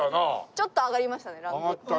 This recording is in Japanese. ちょっと上がりましたねランク。